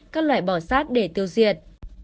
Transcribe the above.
các loại bò sát để tiêu diệt